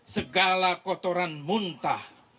segala kotoran muntah